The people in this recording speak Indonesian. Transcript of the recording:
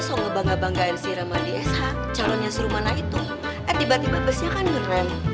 so ngebangga banggaan si ramadi sh calonnya si rumana itu eh tiba tiba busnya kan merem